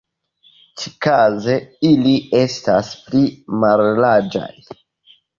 Ĉikaze, ili estas pli mallarĝaj.